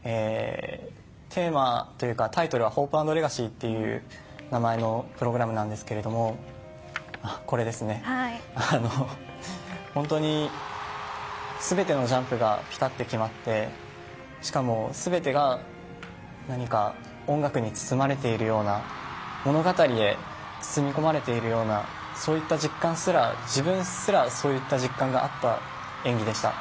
テーマというかタイトルはホープ・アンド・レガシーというタイトルなんですけど本当に全てのジャンプがぴたっと決まって全てが音楽に包まれているような物語へ包み込まれているようなそういった実感すら、自分すらそういう実感があった演技でした。